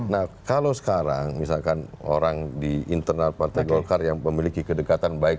nah kalau sekarang misalkan orang di internal partai golkar yang memiliki kedekatan baik